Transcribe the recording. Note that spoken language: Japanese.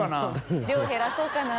「量減らそうかな？」